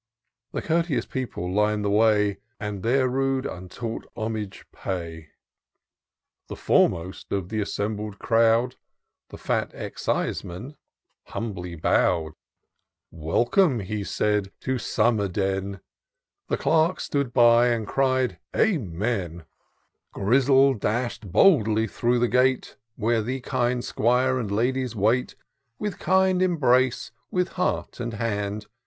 The courteous people line the way. And their rude, untaught homage pay : The foremost of the assembled crowd. The fat Exciseman, himibly bow'd ;" Welcome," he said, " to Sommerden !" The Clerk stood by, and cried Amen I " Grizzle dash'd boldly through the gate, Where the kind 'Squire and ladies wait, With kind embrace, with heart and hand.